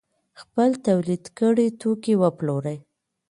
خپل تولید کړي توکي وپلوري.